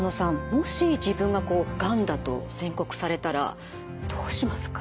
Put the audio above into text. もし自分ががんだと宣告されたらどうしますか？